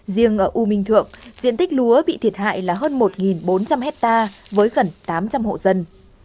riêng ở u minh thượng diện tích lúa bị thiệt hại là hơn một bốn trăm linh hectare với gần tám trăm linh hộ dân